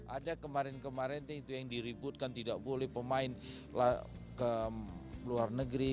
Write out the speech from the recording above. ada kemarin kemarin itu yang diributkan tidak boleh pemain ke luar negeri